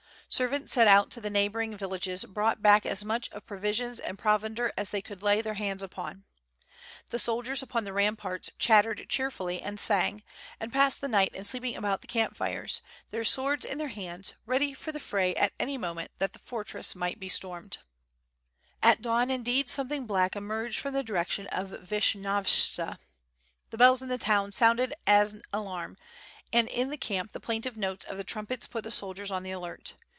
Servants sent out to the neighboring villages brought back as much of provisions and provender as they could lay their hands upon. The soldiers upon the ramparts chattered cheerfully and sang, and passed the night in sleeping about the camp fires, their swords in their hands, ready for the fray at any moment that the for tress might be stormed. WITH FIRE AND SWORD. 693 At dawn indeed something black emerged from the direc tion of Vishnyovtsa. The bells in the town sounded an alarm, and in the camp the plaintive notes of the trumpets put the soldiers on the alert.